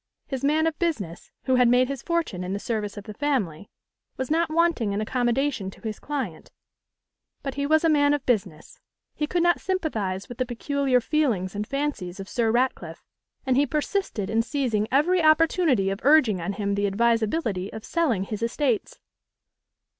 His man of business, who had made his fortune in the service of the family, was not wanting in accommodation to his client; but he was a man of business; he could not sympathise with the peculiar feelings and fancies of Sir Ratcliffe, and he persisted in seizing every opportunity of urging on him the advisability of selling his estates.